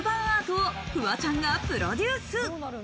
アート、フワちゃんがプロデュース。